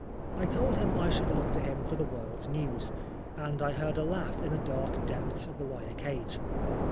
I told him I should look to him for the world's news, and I heard a laugh in the dark depths of the wire cage.